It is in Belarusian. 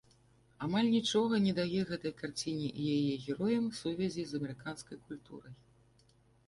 Амаль нічога не дае гэтай карціне і яе героям сувязі з амерыканскай культурай.